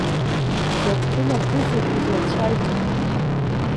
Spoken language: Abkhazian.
Закә ҳәынаԥузеи шәызлацәажәо?